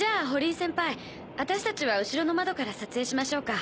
先輩私達は後ろの窓から撮影しましょうか。